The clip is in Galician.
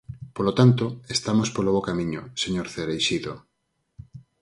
Polo tanto, estamos polo bo camiño, señor Cereixido.